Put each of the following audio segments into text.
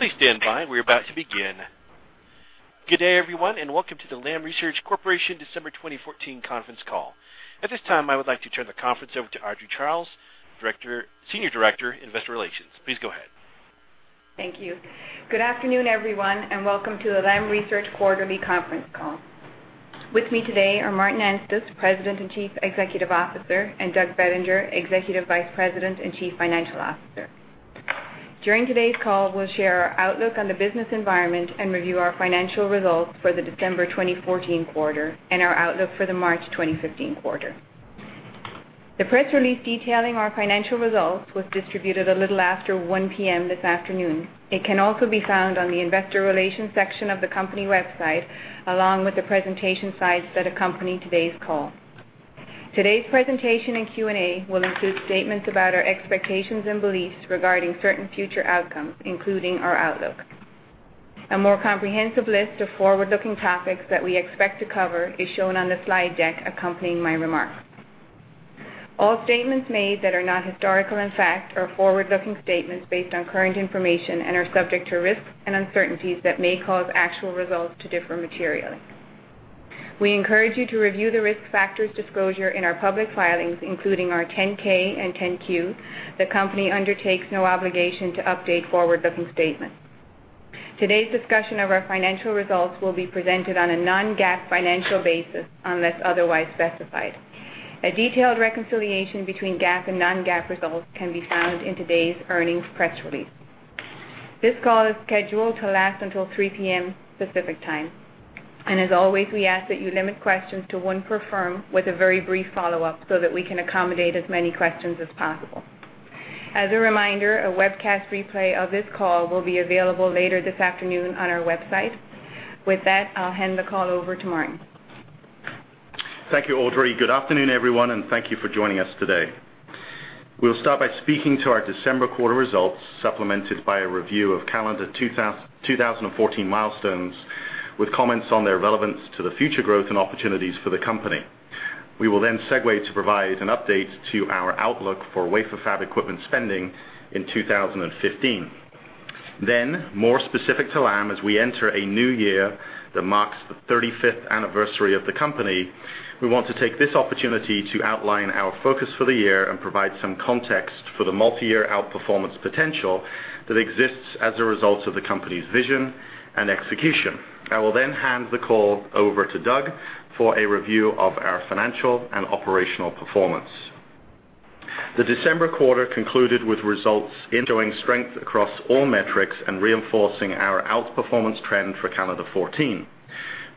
Please stand by. We're about to begin. Good day, everyone, and welcome to the Lam Research Corporation December 2014 conference call. At this time, I would like to turn the conference over to Audrey Charles, Senior Director, Investor Relations. Please go ahead. Thank you. Good afternoon, everyone, and welcome to the Lam Research quarterly conference call. With me today are Martin Anstice, President and Chief Executive Officer, and Doug Bettinger, Executive Vice President and Chief Financial Officer. During today's call, we'll share our outlook on the business environment and review our financial results for the December 2014 quarter and our outlook for the March 2015 quarter. The press release detailing our financial results was distributed a little after 1:00 P.M. this afternoon. It can also be found on the investor relations section of the company website, along with the presentation slides that accompany today's call. Today's presentation and Q&A will include statements about our expectations and beliefs regarding certain future outcomes, including our outlook. A more comprehensive list of forward-looking topics that we expect to cover is shown on the slide deck accompanying my remarks. All statements made that are not historical in fact are forward-looking statements based on current information and are subject to risks and uncertainties that may cause actual results to differ materially. We encourage you to review the risk factors disclosure in our public filings, including our 10-K and 10-Q. The company undertakes no obligation to update forward-looking statements. Today's discussion of our financial results will be presented on a non-GAAP financial basis unless otherwise specified. A detailed reconciliation between GAAP and non-GAAP results can be found in today's earnings press release. This call is scheduled to last until 3:00 P.M. Pacific Time. As always, we ask that you limit questions to one per firm with a very brief follow-up so that we can accommodate as many questions as possible. As a reminder, a webcast replay of this call will be available later this afternoon on our website. With that, I'll hand the call over to Martin. Thank you, Audrey. Good afternoon, everyone, and thank you for joining us today. We'll start by speaking to our December quarter results, supplemented by a review of calendar 2014 milestones, with comments on their relevance to the future growth and opportunities for the company. We will then segue to provide an update to our outlook for wafer fab equipment spending in 2015. More specific to Lam, as we enter a new year that marks the 35th anniversary of the company, we want to take this opportunity to outline our focus for the year and provide some context for the multi-year outperformance potential that exists as a result of the company's vision and execution. I will then hand the call over to Doug for a review of our financial and operational performance. The December quarter concluded with results showing strength across all metrics and reinforcing our outperformance trend for calendar 2014.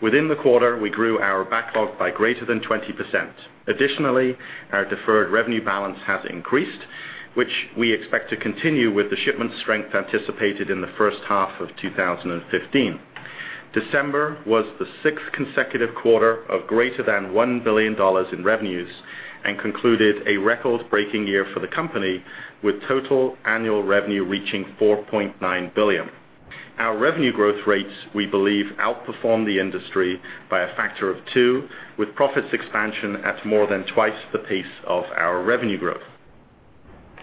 Within the quarter, we grew our backlog by greater than 20%. Additionally, our deferred revenue balance has increased, which we expect to continue with the shipment strength anticipated in the first half of 2015. December was the sixth consecutive quarter of greater than $1 billion in revenues and concluded a record-breaking year for the company, with total annual revenue reaching $4.9 billion. Our revenue growth rates, we believe, outperformed the industry by a factor of two, with profits expansion at more than twice the pace of our revenue growth.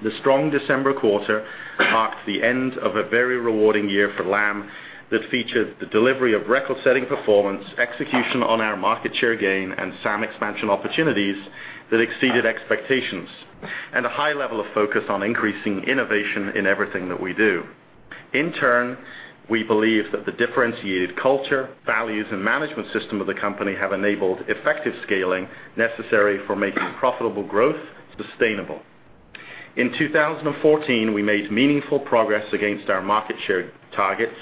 The strong December quarter marked the end of a very rewarding year for Lam that featured the delivery of record-setting performance, execution on our market share gain, and SAM expansion opportunities that exceeded expectations, and a high level of focus on increasing innovation in everything that we do. In turn, we believe that the differentiated culture, values, and management system of the company have enabled effective scaling necessary for making profitable growth sustainable. In 2014, we made meaningful progress against our market share targets,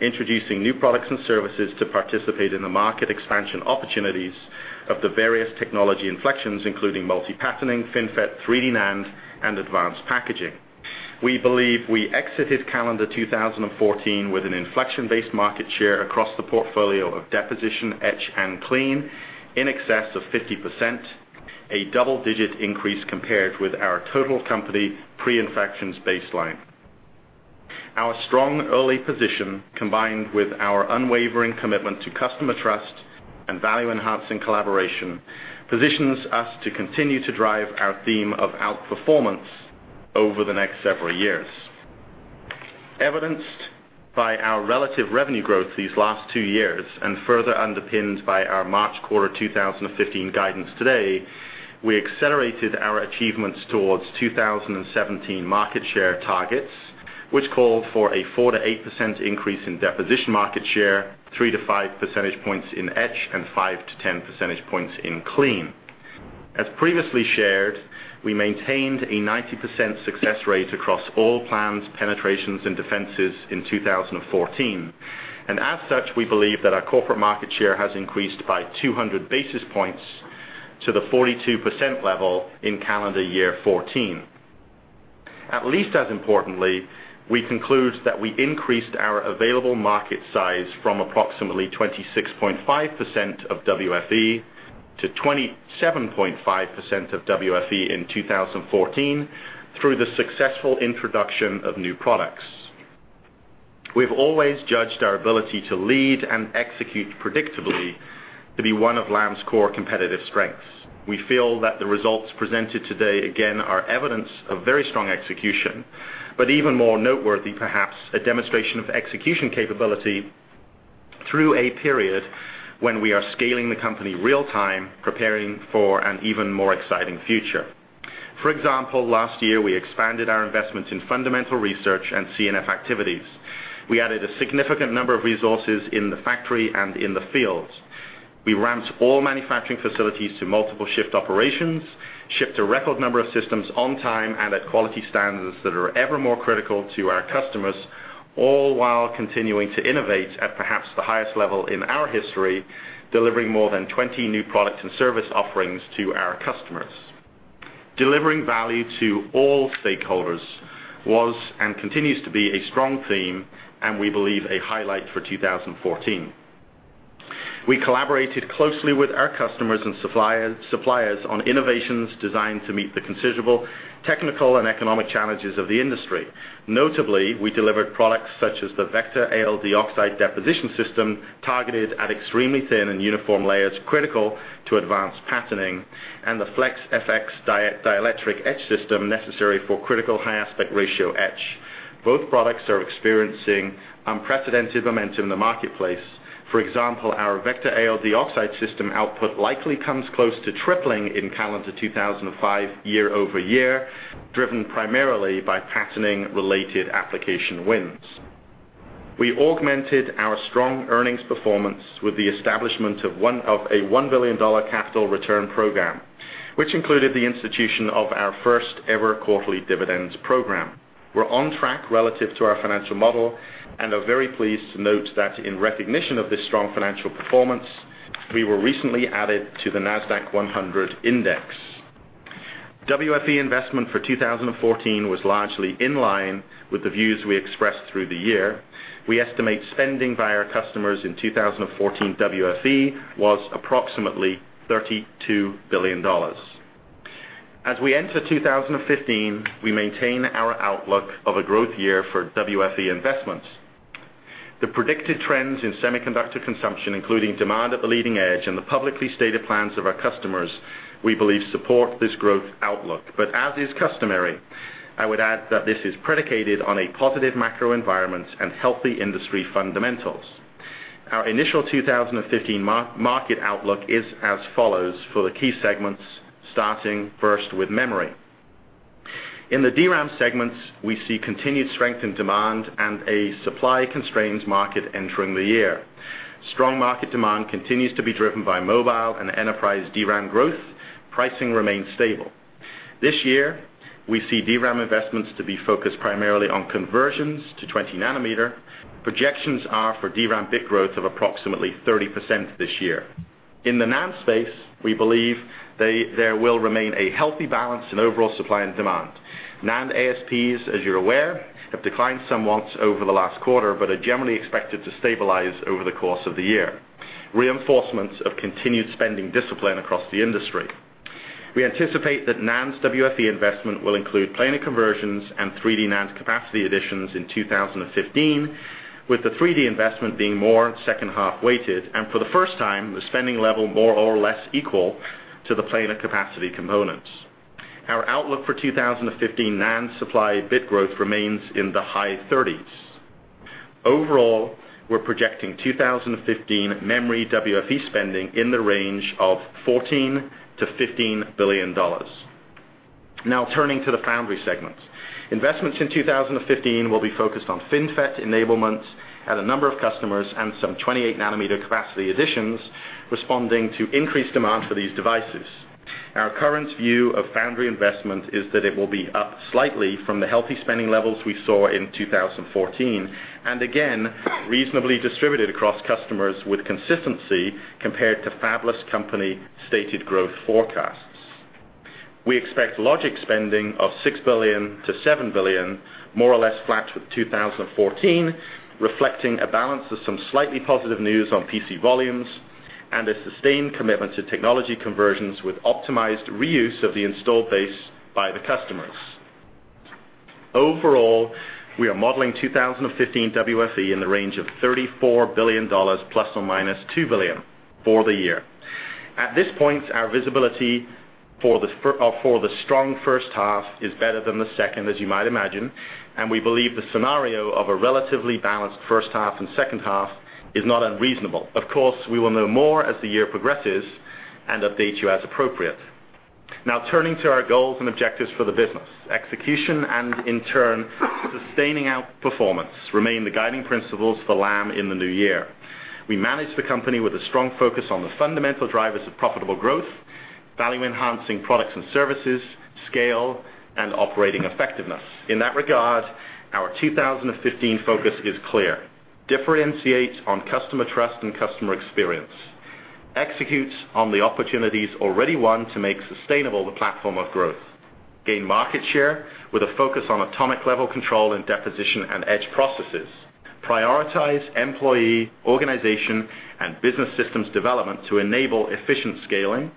introducing new products and services to participate in the market expansion opportunities of the various technology inflections, including multi-patterning, FinFET, 3D NAND, and advanced packaging. We believe we exited calendar 2014 with an inflection-based market share across the portfolio of deposition, etch, and clean in excess of 50%, a double-digit increase compared with our total company pre-inflections baseline. Our strong early position, combined with our unwavering commitment to customer trust and value-enhancing collaboration, positions us to continue to drive our theme of outperformance over the next several years. Evidenced by our relative revenue growth these last two years and further underpinned by our March quarter 2015 guidance today, we accelerated our achievements towards 2017 market share targets, which call for a 4%-8% increase in deposition market share, three to five percentage points in etch, and five to 10 percentage points in clean. As previously shared, we maintained a 90% success rate across all plans, penetrations, and defenses in 2014. As such, we believe that our corporate market share has increased by 200 basis points to the 42% level in calendar year 2014. At least as importantly, we conclude that we increased our available market size from approximately 26.5% of WFE to 27.5% of WFE in 2014 through the successful introduction of new products. We've always judged our ability to lead and execute predictably to be one of Lam's core competitive strengths. We feel that the results presented today again are evidence of very strong execution, but even more noteworthy perhaps, a demonstration of execution capability through a period when we are scaling the company real time, preparing for an even more exciting future. For example, last year we expanded our investments in fundamental research and CNF activities. We added a significant number of resources in the factory and in the fields. We ramped all manufacturing facilities to multiple shift operations, shipped a record number of systems on time and at quality standards that are ever more critical to our customers, all while continuing to innovate at perhaps the highest level in our history, delivering more than 20 new products and service offerings to our customers. Delivering value to all stakeholders was and continues to be a strong theme. We believe a highlight for 2014. We collaborated closely with our customers and suppliers on innovations designed to meet the considerable technical and economic challenges of the industry. Notably, we delivered products such as the VECTOR ALD Oxide Deposition System, targeted at extremely thin and uniform layers critical to advanced patterning, and the Flex dielectric etch system necessary for critical high aspect ratio etch. Both products are experiencing unprecedented momentum in the marketplace. For example, our VECTOR ALD Oxide system output likely comes close to tripling in calendar 2015 year-over-year, driven primarily by patterning-related application wins. We augmented our strong earnings performance with the establishment of a $1 billion capital return program, which included the institution of our first-ever quarterly dividends program. We're on track relative to our financial model and are very pleased to note that in recognition of this strong financial performance, we were recently added to the Nasdaq-100 index. WFE investment for 2014 was largely in line with the views we expressed through the year. We estimate spending by our customers in 2014 WFE was approximately $32 billion. As we enter 2015, we maintain our outlook of a growth year for WFE investments. The predicted trends in semiconductor consumption, including demand at the leading edge and the publicly stated plans of our customers, we believe support this growth outlook. As is customary, I would add that this is predicated on a positive macro environment and healthy industry fundamentals. Our initial 2015 market outlook is as follows for the key segments, starting first with memory. In the DRAM segments, we see continued strength in demand and a supply-constrained market entering the year. Strong market demand continues to be driven by mobile and enterprise DRAM growth. Pricing remains stable. This year, we see DRAM investments to be focused primarily on conversions to 20 nanometer. Projections are for DRAM bit growth of approximately 30% this year. In the NAND space, we believe there will remain a healthy balance in overall supply and demand. NAND ASPs, as you're aware, have declined somewhat over the last quarter, but are generally expected to stabilize over the course of the year, reinforcements of continued spending discipline across the industry. We anticipate that NAND's WFE investment will include planar conversions and 3D NAND capacity additions in 2015, with the 3D investment being more second half weighted, and for the first time, the spending level more or less equal to the planar capacity components. Our outlook for 2015 NAND supply bit growth remains in the high 30s. Overall, we're projecting 2015 memory WFE spending in the range of $14 billion-$15 billion. Turning to the foundry segments. Investments in 2015 will be focused on FinFET enablements at a number of customers and some 28 nanometer capacity additions responding to increased demand for these devices. Our current view of foundry investment is that it will be up slightly from the healthy spending levels we saw in 2014, and again, reasonably distributed across customers with consistency compared to fabless company stated growth forecasts. We expect logic spending of $6 billion-$7 billion, more or less flat with 2014, reflecting a balance of some slightly positive news on PC volumes and a sustained commitment to technology conversions with optimized reuse of the installed base by the customers. Overall, we are modeling 2015 WFE in the range of $34 billion ±$2 billion for the year. At this point, our visibility for the strong first half is better than the second, as you might imagine, and we believe the scenario of a relatively balanced first half and second half is not unreasonable. Of course, we will know more as the year progresses and update you as appropriate. Turning to our goals and objectives for the business. Execution and in turn, sustaining outperformance remain the guiding principles for Lam in the new year. We manage the company with a strong focus on the fundamental drivers of profitable growth, value-enhancing products and services, scale, and operating effectiveness. In that regard, our 2015 focus is clear. Differentiate on customer trust and customer experience. Execute on the opportunities already won to make sustainable the platform of growth. Gain market share with a focus on atomic level control and deposition and etch processes. Prioritize employee, organization, and business systems development to enable efficient scaling,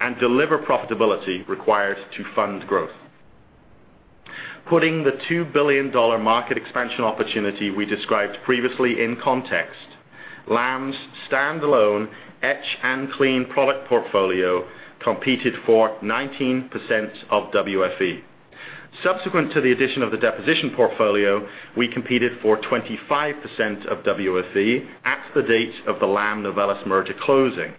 and deliver profitability required to fund growth. Putting the $2 billion market expansion opportunity we described previously in context, Lam's standalone etch and clean product portfolio competed for 19% of WFE. Subsequent to the addition of the deposition portfolio, we competed for 25% of WFE at the date of the Lam-Novellus merger closing.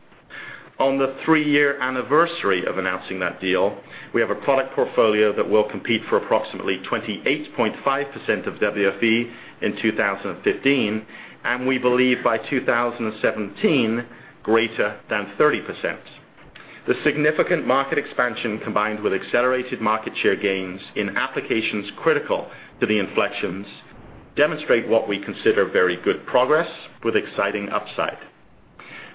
On the three-year anniversary of announcing that deal, we have a product portfolio that will compete for approximately 28.5% of WFE in 2015, and we believe by 2017, greater than 30%. The significant market expansion, combined with accelerated market share gains in applications critical to the inflections, demonstrate what we consider very good progress with exciting upside.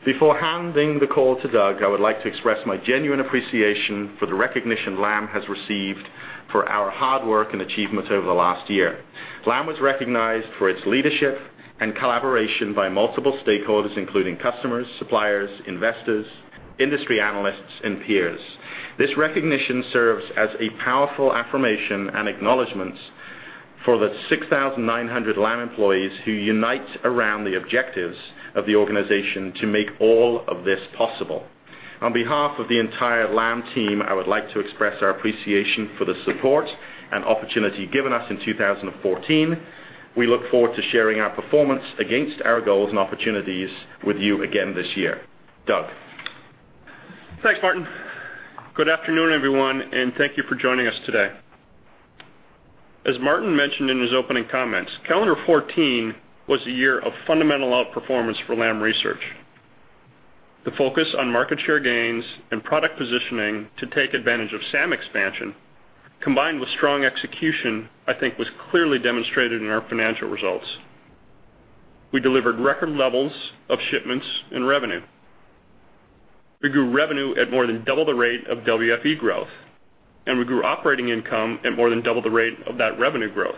Before handing the call to Doug, I would like to express my genuine appreciation for the recognition Lam has received for our hard work and achievements over the last year. Lam was recognized for its leadership and collaboration by multiple stakeholders, including customers, suppliers, investors, industry analysts, and peers. This recognition serves as a powerful affirmation and acknowledgement for the 6,900 Lam employees who unite around the objectives of the organization to make all of this possible. On behalf of the entire Lam team, I would like to express our appreciation for the support and opportunity given us in 2014. We look forward to sharing our performance against our goals and opportunities with you again this year. Doug. Thanks, Martin. Good afternoon, everyone, and thank you for joining us today. As Martin mentioned in his opening comments, calendar 2014 was a year of fundamental outperformance for Lam Research. The focus on market share gains and product positioning to take advantage of SAM expansion, combined with strong execution, I think was clearly demonstrated in our financial results. We delivered record levels of shipments and revenue. We grew revenue at more than double the rate of WFE growth, and we grew operating income at more than double the rate of that revenue growth.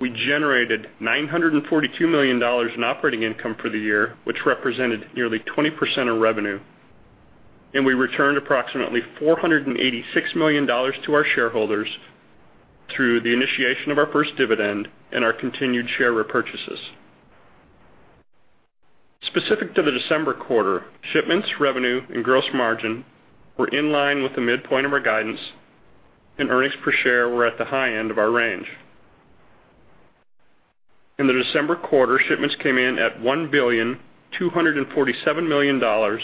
We generated $942 million in operating income for the year, which represented nearly 20% of revenue, and we returned approximately $486 million to our shareholders through the initiation of our first dividend and our continued share repurchases. Specific to the December quarter, shipments, revenue, and gross margin were in line with the midpoint of our guidance, and earnings per share were at the high end of our range. In the December quarter, shipments came in at $1,247,000,000,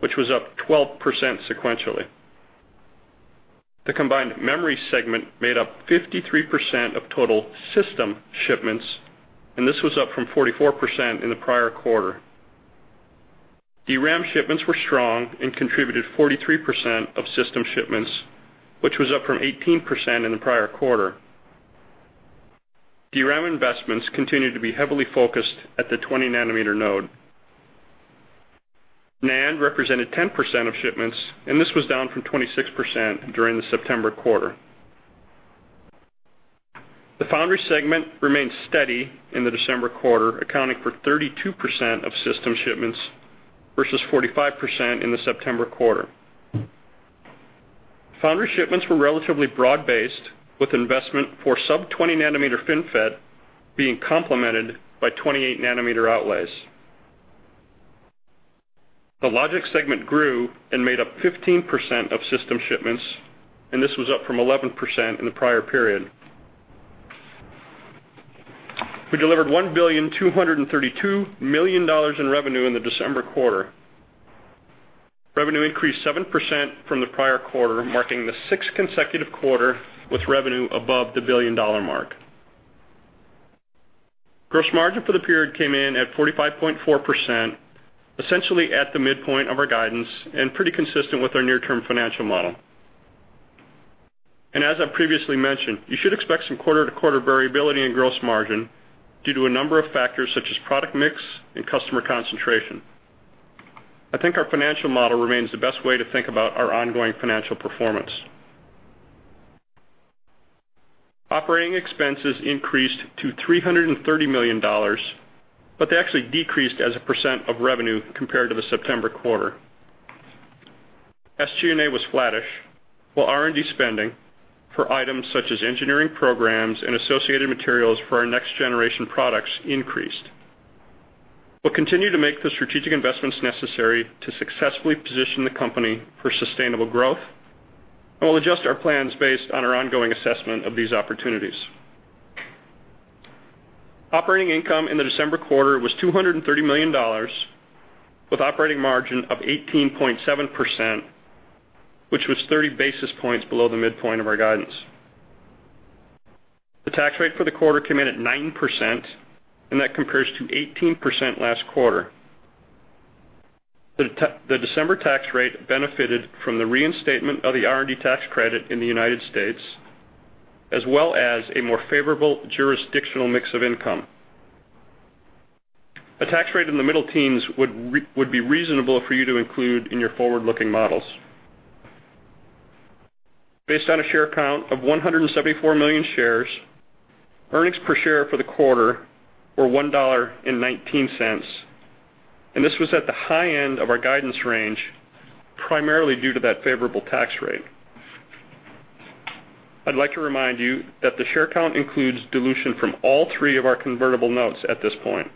which was up 12% sequentially. The combined memory segment made up 53% of total system shipments, and this was up from 44% in the prior quarter. DRAM shipments were strong and contributed 43% of system shipments, which was up from 18% in the prior quarter. DRAM investments continued to be heavily focused at the 20 nanometer node. NAND represented 10% of shipments, and this was down from 26% during the September quarter. The foundry segment remained steady in the December quarter, accounting for 32% of system shipments versus 45% in the September quarter. Foundry shipments were relatively broad-based, with investment for sub 20 nanometer FinFET being complemented by 28 nanometer outlays. The logic segment grew and made up 15% of system shipments, and this was up from 11% in the prior period. We delivered $1,232,000,000 in revenue in the December quarter. Revenue increased 7% from the prior quarter, marking the sixth consecutive quarter with revenue above the billion-dollar mark. Gross margin for the period came in at 45.4%, essentially at the midpoint of our guidance and pretty consistent with our near-term financial model. As I previously mentioned, you should expect some quarter-to-quarter variability in gross margin due to a number of factors such as product mix and customer concentration. I think our financial model remains the best way to think about our ongoing financial performance. Operating expenses increased to $330 million. They actually decreased as a percent of revenue compared to the September quarter. SG&A was flattish, while R&D spending for items such as engineering programs and associated materials for our next-generation products increased. Continue to make the strategic investments necessary to successfully position the company for sustainable growth. We'll adjust our plans based on our ongoing assessment of these opportunities. Operating income in the December quarter was $230 million, with operating margin of 18.7%, which was 30 basis points below the midpoint of our guidance. The tax rate for the quarter came in at 9%. That compares to 18% last quarter. The December tax rate benefited from the reinstatement of the R&D tax credit in the United States, as well as a more favorable jurisdictional mix of income. A tax rate in the middle teens would be reasonable for you to include in your forward-looking models. Based on a share count of 174 million shares, earnings per share for the quarter were $1.19. This was at the high end of our guidance range, primarily due to that favorable tax rate. I'd like to remind you that the share count includes dilution from all three of our convertible notes at this point.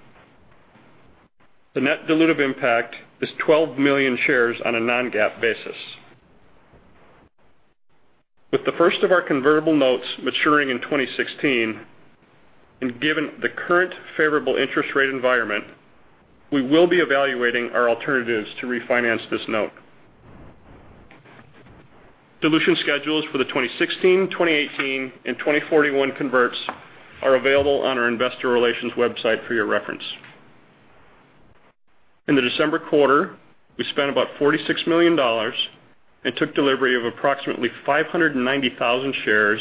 The net dilutive impact is 12 million shares on a non-GAAP basis. With the first of our convertible notes maturing in 2016. Given the current favorable interest rate environment, we will be evaluating our alternatives to refinance this note. Dilution schedules for the 2016, 2018, and 2041 converts are available on our investor relations website for your reference. In the December quarter, we spent about $46 million and took delivery of approximately 590,000 shares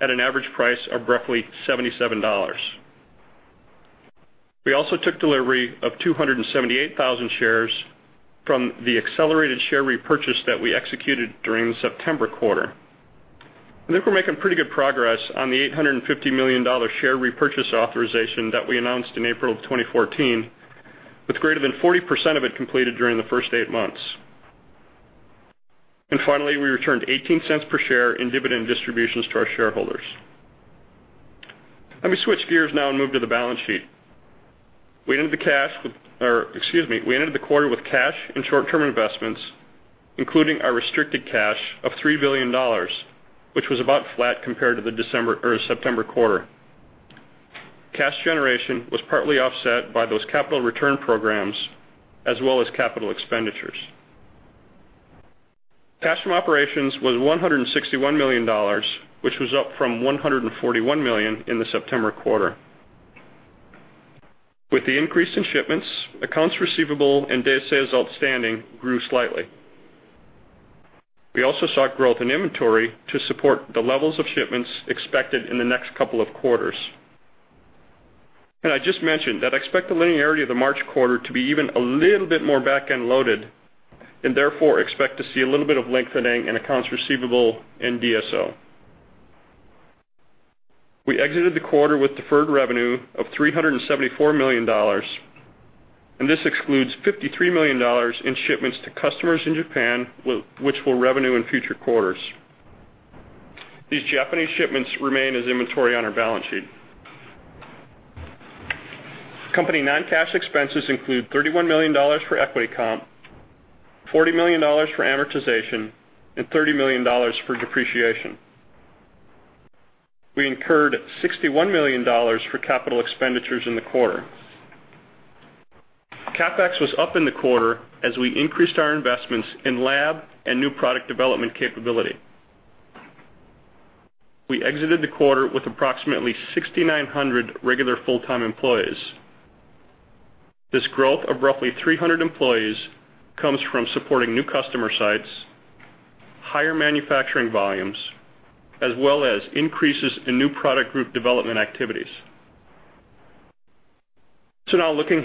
at an average price of roughly $77. We also took delivery of 278,000 shares from the accelerated share repurchase that we executed during the September quarter. I think we're making pretty good progress on the $850 million share repurchase authorization that we announced in April of 2014, with greater than 40% of it completed during the first eight months. Finally, we returned $0.18 per share in dividend distributions to our shareholders. Let me switch gears now and move to the balance sheet. We ended the quarter with cash and short-term investments, including our restricted cash of $3 billion, which was about flat compared to the September quarter. Cash generation was partly offset by those capital return programs as well as capital expenditures. Cash from operations was $161 million, which was up from $141 million in the September quarter. With the increase in shipments, accounts receivable and day sales outstanding grew slightly. We also saw growth in inventory to support the levels of shipments expected in the next couple of quarters. I just mentioned that I expect the linearity of the March quarter to be even a little bit more back-end loaded. Therefore expect to see a little bit of lengthening in accounts receivable in DSO. We exited the quarter with deferred revenue of $374 million. This excludes $53 million in shipments to customers in Japan, which will revenue in future quarters. These Japanese shipments remain as inventory on our balance sheet. Company non-cash expenses include $31 million for equity comp, $40 million for amortization, and $30 million for depreciation. We incurred $61 million for capital expenditures in the quarter. CapEx was up in the quarter as we increased our investments in lab and new product development capability. We exited the quarter with approximately 6,900 regular full-time employees. This growth of roughly 300 employees comes from supporting new customer sites, higher manufacturing volumes, as well as increases in new product group development activities. Looking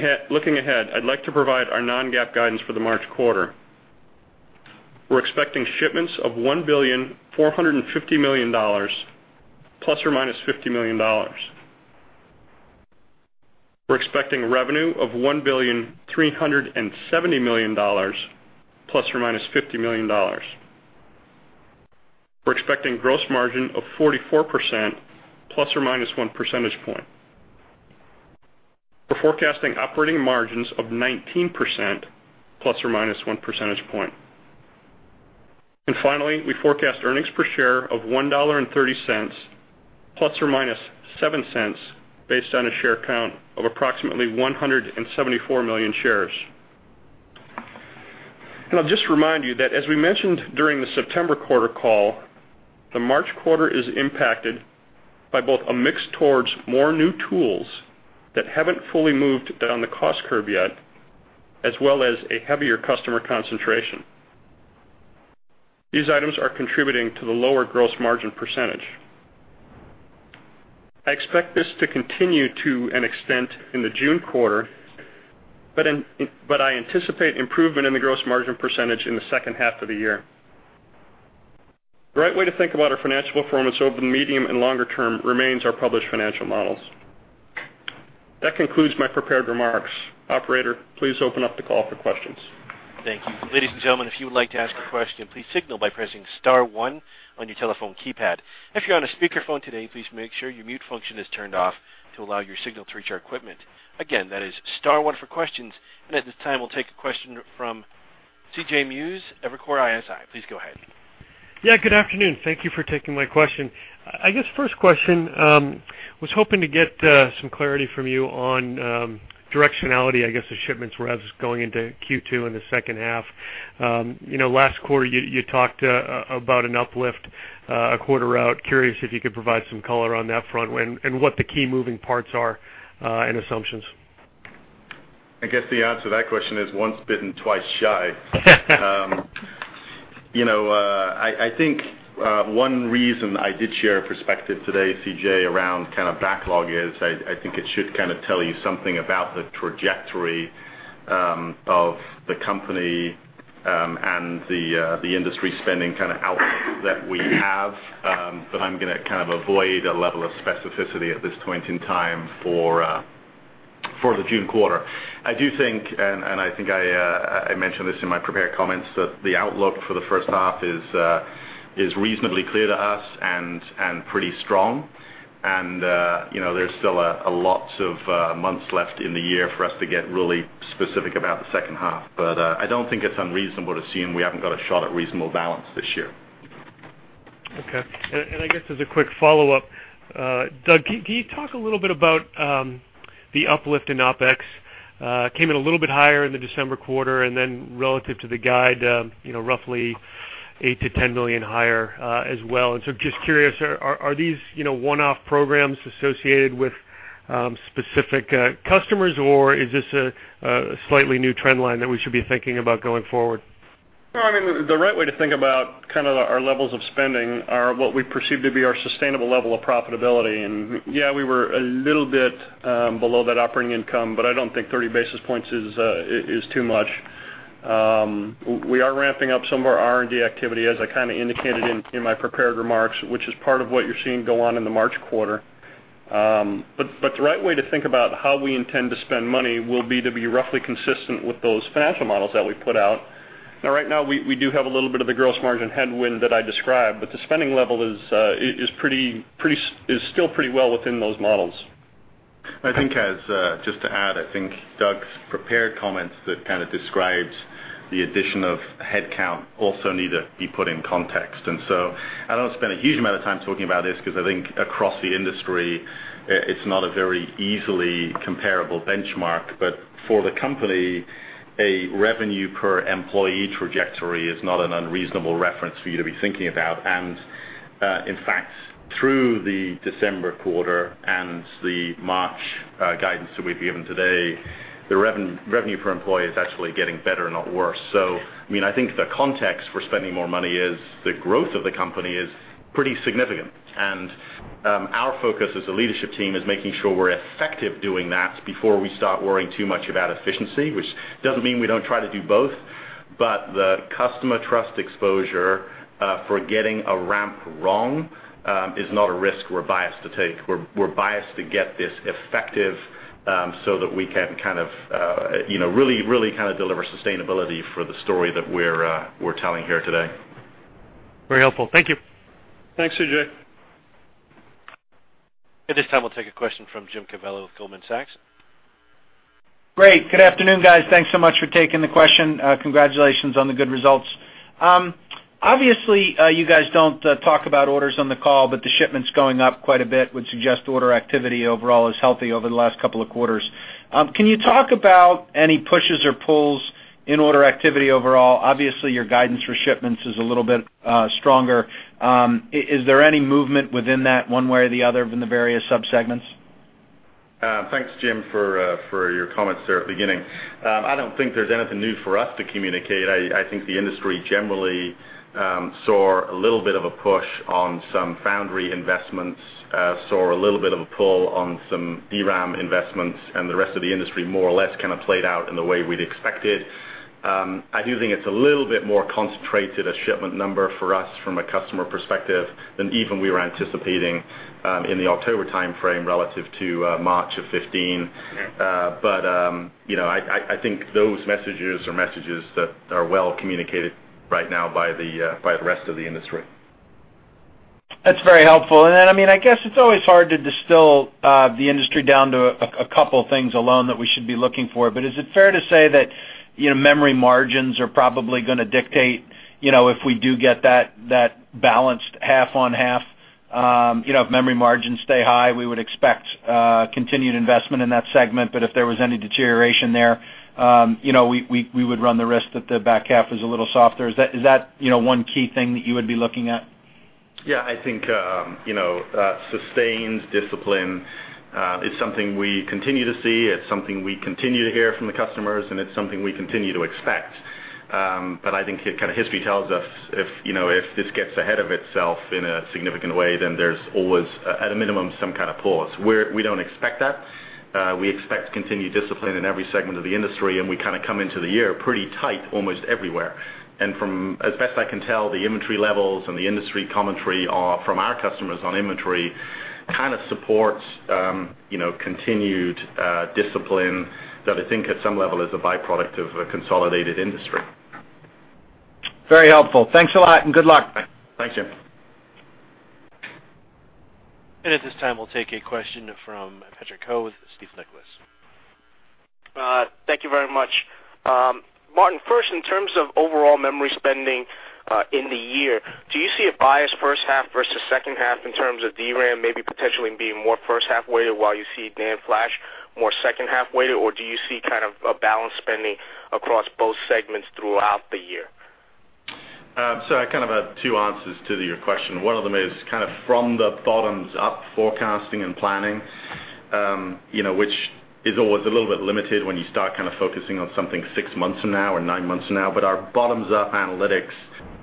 ahead, I'd like to provide our non-GAAP guidance for the March quarter. We're expecting shipments of $1,450 million ±$50 million. We're expecting revenue of $1,370 million ±$50 million. We're expecting gross margin of 44% ± one percentage point. We're forecasting operating margins of 19% ± one percentage point. Finally, we forecast earnings per share of $1.30 ± $0.07, based on a share count of approximately 174 million shares. I'll just remind you that as we mentioned during the September quarter call, the March quarter is impacted by both a mix towards more new tools that haven't fully moved down the cost curve yet, as well as a heavier customer concentration. These items are contributing to the lower gross margin percentage. I expect this to continue to an extent in the June quarter, but I anticipate improvement in the gross margin percentage in the second half of the year. The right way to think about our financial performance over the medium and longer term remains our published financial models. That concludes my prepared remarks. Operator, please open up the call for questions. Thank you. Ladies and gentlemen, if you would like to ask a question, please signal by pressing star one on your telephone keypad. If you're on a speakerphone today, please make sure your mute function is turned off to allow your signal to reach our equipment. Again, that is star one for questions. At this time, we'll take a question from C.J. Muse, Evercore ISI. Please go ahead. Good afternoon. Thank you for taking my question. I guess first question, was hoping to get some clarity from you on directionality, I guess the shipments were as going into Q2 in the second half. Last quarter, you talked about an uplift a quarter out. Curious if you could provide some color on that front and what the key moving parts are and assumptions. I guess the answer to that question is once bitten, twice shy. I think one reason I did share a perspective today, C.J., around kind of backlog is I think it should kind of tell you something about the trajectory of the company The industry spending kind of outlook that we have, but I'm going to kind of avoid a level of specificity at this point in time for the June quarter. I do think, and I think I mentioned this in my prepared comments, that the outlook for the first half is reasonably clear to us and pretty strong. There's still a lot of months left in the year for us to get really specific about the second half. I don't think it's unreasonable to assume we haven't got a shot at reasonable balance this year. Okay. I guess as a quick follow-up, Doug, can you talk a little bit about the uplift in OpEx? Came in a little bit higher in the December quarter, then relative to the guide, roughly $8-$10 million higher as well. Just curious, are these one-off programs associated with specific customers, or is this a slightly new trend line that we should be thinking about going forward? No, the right way to think about our levels of spending are what we perceive to be our sustainable level of profitability. Yeah, we were a little bit below that operating income, but I don't think 30 basis points is too much. We are ramping up some of our R&D activity, as I kind of indicated in my prepared remarks, which is part of what you're seeing go on in the March quarter. The right way to think about how we intend to spend money will be to be roughly consistent with those financial models that we put out. Now, right now, we do have a little bit of the gross margin headwind that I described, but the spending level is still pretty well within those models. I think, just to add, I think Doug's prepared comments that kind of describes the addition of headcount also need to be put in context. I don't want to spend a huge amount of time talking about this because I think across the industry, it's not a very easily comparable benchmark. For the company, a revenue-per-employee trajectory is not an unreasonable reference for you to be thinking about. In fact, through the December quarter and the March guidance that we've given today, the revenue per employee is actually getting better and not worse. I think the context for spending more money is the growth of the company is pretty significant. Our focus as a leadership team is making sure we're effective doing that before we start worrying too much about efficiency, which doesn't mean we don't try to do both, but the customer trust exposure for getting a ramp wrong is not a risk we're biased to take. We're biased to get this effective so that we can really deliver sustainability for the story that we're telling here today. Very helpful. Thank you. Thanks, C.J. At this time, we'll take a question from James Covello with Goldman Sachs. Great. Good afternoon, guys. Thanks so much for taking the question. Congratulations on the good results. Obviously, you guys don't talk about orders on the call, but the shipments going up quite a bit would suggest order activity overall is healthy over the last couple of quarters. Can you talk about any pushes or pulls in order activity overall? Obviously, your guidance for shipments is a little bit stronger. Is there any movement within that one way or the other in the various subsegments? Thanks, Jim, for your comments there at the beginning. I don't think there's anything new for us to communicate. I think the industry generally saw a little bit of a push on some foundry investments, saw a little bit of a pull on some DRAM investments, and the rest of the industry more or less kind of played out in the way we'd expect it. I do think it's a little bit more concentrated a shipment number for us from a customer perspective than even we were anticipating in the October timeframe relative to March of 2015. Okay. I think those messages are messages that are well communicated right now by the rest of the industry. That's very helpful. I guess it's always hard to distill the industry down to a couple of things alone that we should be looking for. Is it fair to say that memory margins are probably going to dictate if we do get that balanced half on half? If memory margins stay high, we would expect continued investment in that segment, if there was any deterioration there, we would run the risk that the back half is a little softer. Is that one key thing that you would be looking at? Yeah, I think sustained discipline is something we continue to see, it's something we continue to hear from the customers, and it's something we continue to expect. I think history tells us if this gets ahead of itself in a significant way, there's always, at a minimum, some kind of pause. We don't expect that. We expect continued discipline in every segment of the industry, we kind of come into the year pretty tight almost everywhere. From as best I can tell, the inventory levels and the industry commentary from our customers on inventory kind of supports continued discipline that I think at some level is a byproduct of a consolidated industry. Very helpful. Thanks a lot and good luck. Thanks, Jim. At this time, we'll take a question from Patrick Ho with Stifel Nicolaus. Thank you very much. Martin, first, in terms of overall memory spending in the year, do you see a bias first half versus second half in terms of DRAM maybe potentially being more first half-weighted while you see NAND flash more second half-weighted, or do you see kind of a balanced spending across both segments throughout the year? I kind of have two answers to your question. One of them is kind of from the bottoms-up forecasting and planning, which is always a little bit limited when you start kind of focusing on something six months from now or nine months from now. Our bottoms-up analytics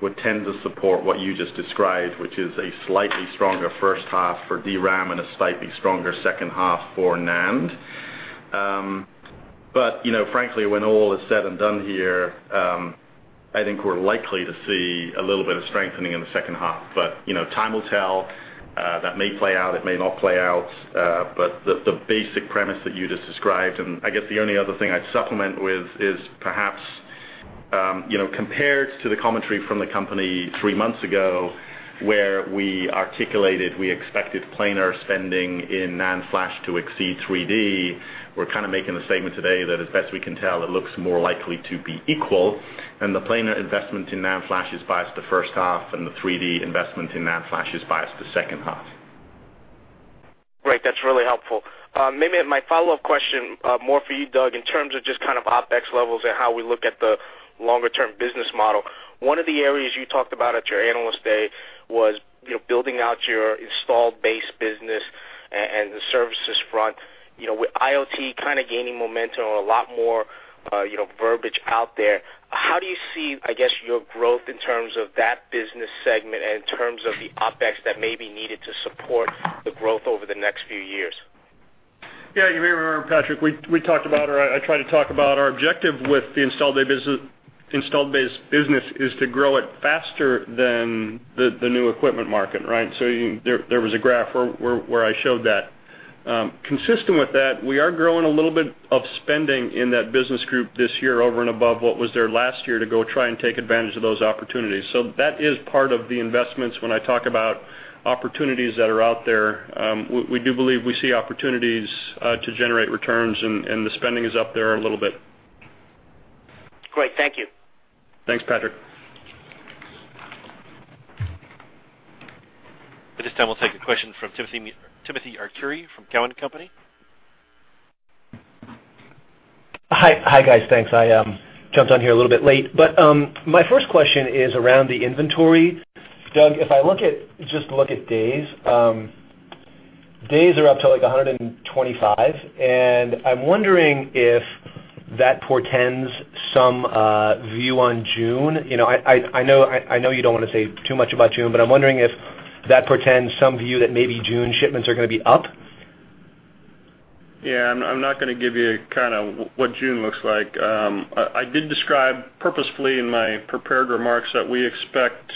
would tend to support what you just described, which is a slightly stronger first half for DRAM and a slightly stronger second half for NAND. Frankly, when all is said and done here, I think we're likely to see a little bit of strengthening in the second half. Time will tell. That may play out, it may not play out. The basic premise that you just described, and I guess the only other thing I'd supplement with is perhaps, compared to the commentary from the company three months ago, where we articulated we expected planar spending in NAND flash to exceed 3D, we're kind of making the statement today that as best we can tell, it looks more likely to be equal. The planar investment in NAND flash is biased to first half, and the 3D investment in NAND flash is biased to second half. Great. That's really helpful. Maybe my follow-up question, more for you, Doug, in terms of just OpEx levels and how we look at the longer-term business model. One of the areas you talked about at your Analyst Day was building out your installed base business and the services front. With IoT gaining momentum or a lot more verbiage out there, how do you see your growth in terms of that business segment and in terms of the OpEx that may be needed to support the growth over the next few years? Yeah. You may remember, Patrick, I tried to talk about our objective with the installed base business, is to grow it faster than the new equipment market. There was a graph where I showed that. Consistent with that, we are growing a little bit of spending in that business group this year over and above what was there last year to go try and take advantage of those opportunities. That is part of the investments when I talk about opportunities that are out there. We do believe we see opportunities to generate returns, the spending is up there a little bit. Great. Thank you. Thanks, Patrick. At this time, we'll take a question from Timothy Arcuri from Cowen and Company. Hi, guys. Thanks. I jumped on here a little bit late. My first question is around the inventory. Doug, if I just look at days are up to 125, and I'm wondering if that portends some view on June. I know you don't want to say too much about June, but I'm wondering if that portends some view that maybe June shipments are going to be up. Yeah. I'm not going to give you what June looks like. I did describe purposefully in my prepared remarks that we expect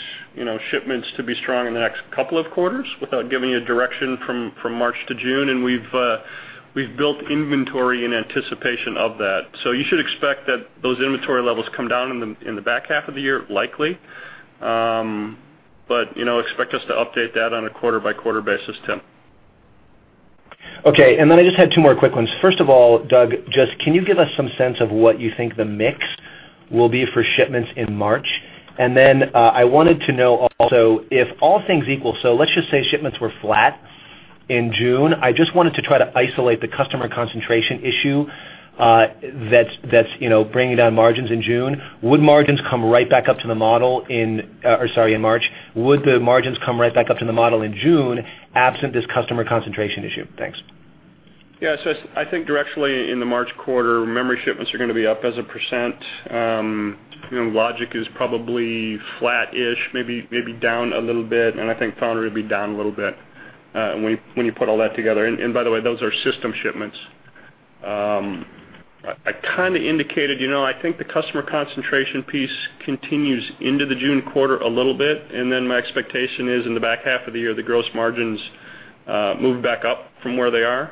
shipments to be strong in the next couple of quarters without giving you direction from March to June, we've built inventory in anticipation of that. You should expect that those inventory levels come down in the back half of the year, likely. Expect us to update that on a quarter-by-quarter basis, Tim. Okay. I just had two more quick ones. First of all, Doug, just can you give us some sense of what you think the mix will be for shipments in March? I wanted to know also if all things equal, let's just say shipments were flat in June. I just wanted to try to isolate the customer concentration issue that's bringing down margins in June. Would margins come right back up to the model in March? Would the margins come right back up to the model in June, absent this customer concentration issue? Thanks. Yeah. I think directionally in the March Quarter, memory shipments are going to be up as a %. Logic is probably flat-ish, maybe down a little bit, and I think foundry will be down a little bit when you put all that together. By the way, those are system shipments. I indicated, I think the customer concentration piece continues into the June Quarter a little bit, and then my expectation is in the back half of the year, the gross margins move back up from where they are.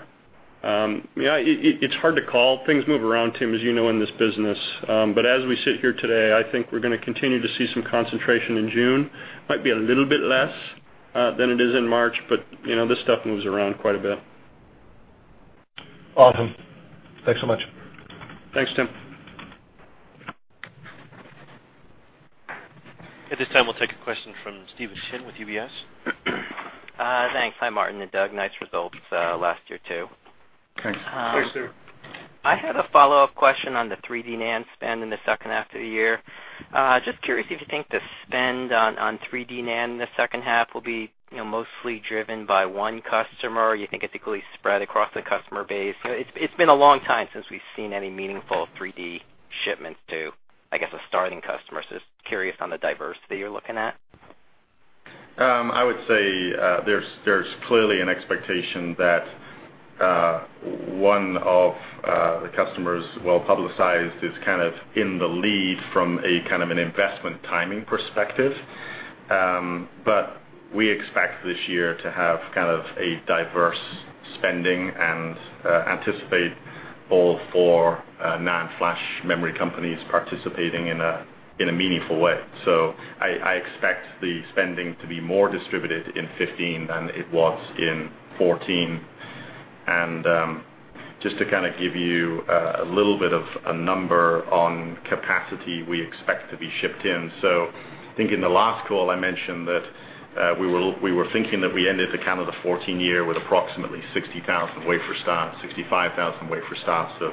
It's hard to call. Things move around, Tim, as you know, in this business. As we sit here today, I think we're going to continue to see some concentration in June. Might be a little bit less than it is in March, but this stuff moves around quite a bit. Awesome. Thanks so much. Thanks, Tim. At this time, we'll take a question from Stephen Chin with UBS. Thanks. Hi, Martin and Doug. Nice results, last year too. Thanks. Thanks, Stephen. I had a follow-up question on the 3D NAND spend in the second half of the year. Just curious if you think the spend on 3D NAND in the second half will be mostly driven by one customer, or you think it's equally spread across the customer base. It's been a long time since we've seen any meaningful 3D shipments to, I guess, a starting customer. Just curious on the diversity you're looking at. I would say there's clearly an expectation that one of the customers, well-publicized, is in the lead from an investment timing perspective. We expect this year to have a diverse spending and anticipate all four NAND flash memory companies participating in a meaningful way. I expect the spending to be more distributed in 2015 than it was in 2014. Just to give you a little bit of a number on capacity we expect to be shipped in. I think in the last call, I mentioned that we were thinking that we ended the 2014 year with approximately 60,000 wafer starts, 65,000 wafer starts of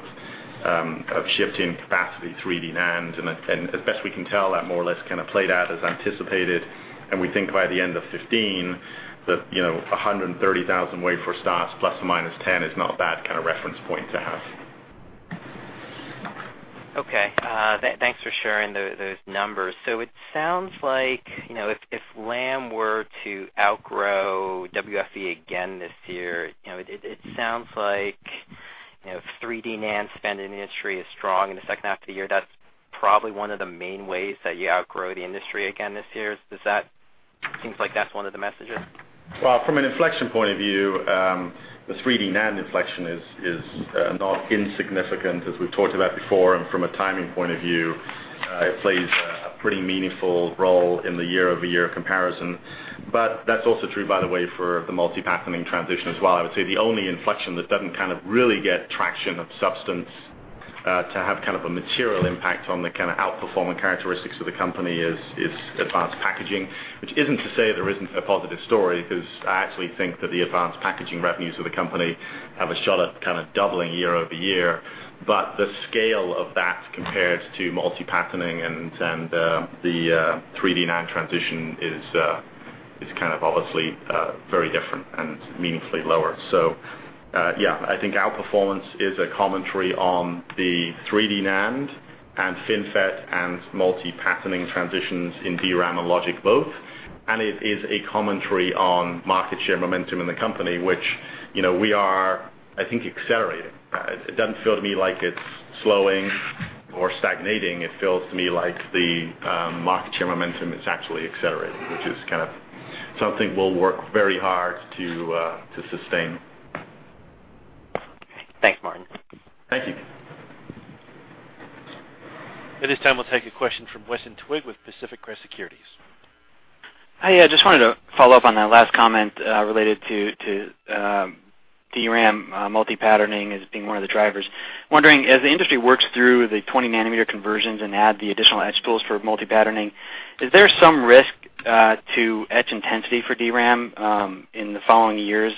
shipped-in capacity 3D NAND. As best we can tell, that more or less played out as anticipated, and we think by the end of 2015, that 130,000 wafer starts ±10 is not a bad reference point to have. Okay. Thanks for sharing those numbers. It sounds like, if Lam were to outgrow WFE again this year, it sounds like, 3D NAND spend in the industry is strong in the second half of the year, that's probably one of the main ways that you outgrow the industry again this year. Seems like that's one of the messages? Well, from an inflection point of view, the 3D NAND inflection is not insignificant, as we've talked about before. From a timing point of view, it plays a pretty meaningful role in the year-over-year comparison. That's also true, by the way, for the multi-patterning transition as well. I would say the only inflection that doesn't kind of really get traction of substance, to have kind of a material impact on the kind of outperforming characteristics of the company is advanced packaging. Which isn't to say there isn't a positive story, because I actually think that the advanced packaging revenues of the company have a shot at kind of doubling year-over-year. The scale of that compared to multi-patterning and the 3D NAND transition is kind of obviously very different and meaningfully lower. Yeah, I think outperformance is a commentary on the 3D NAND, and FinFET, and multi-patterning transitions in DRAM logic both. It is a commentary on market share momentum in the company, which we are, I think, accelerating. It doesn't feel to me like it's slowing or stagnating. It feels to me like the market share momentum is actually accelerating, which is kind of something we'll work very hard to sustain. Thanks, Martin. Thank you. At this time, we'll take a question from Weston Twigg with Pacific Crest Securities. Hi, I just wanted to follow up on that last comment, related to DRAM multi-patterning as being one of the drivers. Wondering, as the industry works through the 20 nanometer conversions and add the additional etch tools for multi-patterning, is there some risk to etch intensity for DRAM in the following years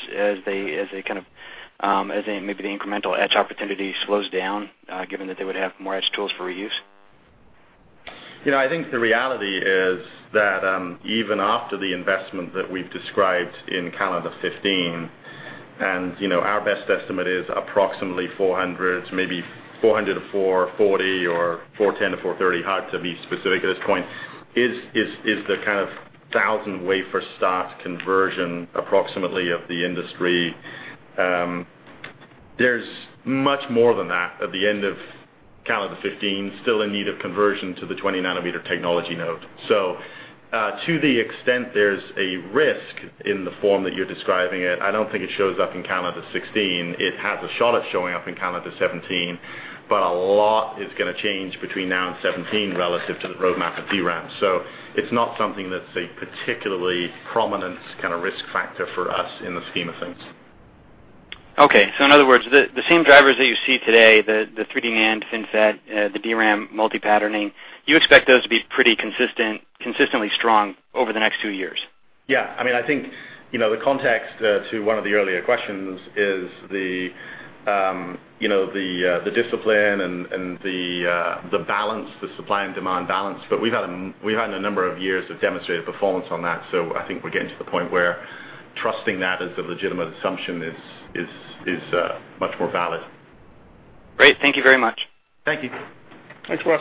as maybe the incremental etch opportunity slows down, given that they would have more etch tools for reuse? I think the reality is that, even after the investment that we've described in calendar 2015, and our best estimate is approximately 400, maybe 400-440, or 410-430 hard, to be specific at this point, is the kind of 1,000 wafer start conversion approximately of the industry. There's much more than that at the end of calendar 2015, still in need of conversion to the 20 nanometer technology node. To the extent there's a risk in the form that you're describing it, I don't think it shows up in calendar 2016. It has a shot at showing up in calendar 2017, but a lot is going to change between now and 2017 relative to the roadmap of DRAM. It's not something that's a particularly prominent kind of risk factor for us in the scheme of things. Okay. In other words, the same drivers that you see today, the 3D NAND, FinFET, the DRAM multi-patterning, you expect those to be pretty consistently strong over the next two years? Yeah. I think the context to one of the earlier questions is the discipline and the balance, the supply and demand balance. We've had a number of years of demonstrated performance on that. I think we're getting to the point where trusting that as a legitimate assumption is much more valid. Great. Thank you very much. Thanks, Weston.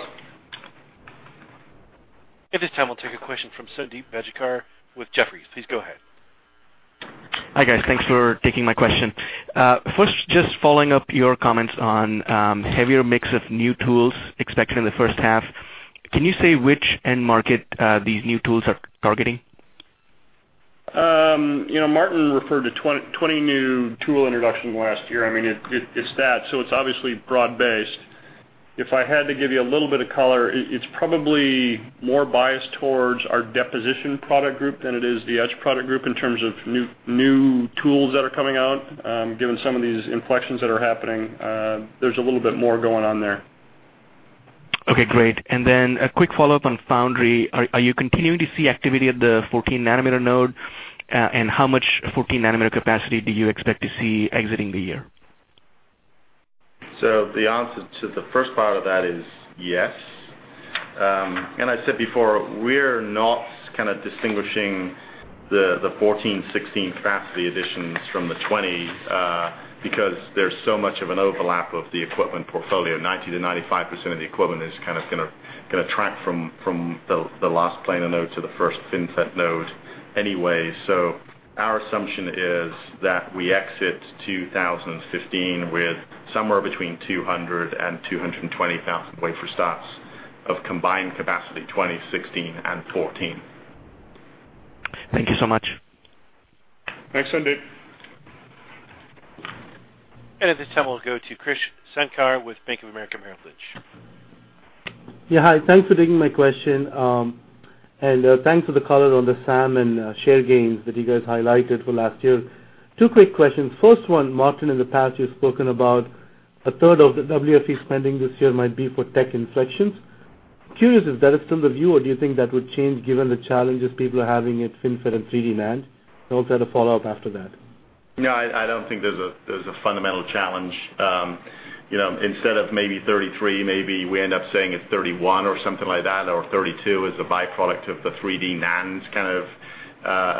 At this time, we will take a question from Sundeep Bajikar with Jefferies. Please go ahead. Hi, guys. Thanks for taking my question. First, just following up your comments on heavier mix of new tools expected in the first half. Can you say which end market these new tools are targeting? Martin referred to 20 new tool introduction last year. It is that, it is obviously broad-based. If I had to give you a little bit of color, it is probably more biased towards our deposition product group than it is the etch product group in terms of new tools that are coming out. Given some of these inflections that are happening, there is a little bit more going on there. Okay, great. Then a quick follow-up on Foundry. Are you continuing to see activity at the 14 nanometer node? How much 14 nanometer capacity do you expect to see exiting the year? The answer to the first part of that is yes. I said before, we are not kind of distinguishing the 2014, 2016 capacity additions from the 2020, because there is so much of an overlap of the equipment portfolio, 90%-95% of the equipment is kind of going to track from the last planar node to the first FinFET node anyway. Our assumption is that we exit 2015 with somewhere between 200,000-220,000 wafer starts of combined capacity 2016 and 2014. Thank you so much. Thanks, Sundeep. At this time, we will go to Krish Sankar with Bank of America Merrill Lynch. Yeah, hi. Thanks for taking my question. Thanks for the color on the SAM and share gains that you guys highlighted for last year. Two quick questions. First one, Martin, in the past, you have spoken about a third of the WFE spending this year might be for tech inflections. Curious if that is still the view, or do you think that would change given the challenges people are having at FinFET and 3D NAND? Also had a follow-up after that. No, I don't think there's a fundamental challenge. Instead of maybe 33, maybe we end up saying it's 31 or something like that, or 32 as a byproduct of the 3D NAND's kind of